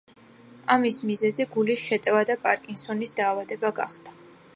ამის მიზეზი გულის შეტევა და პარკინსონის დაავადება გახდა.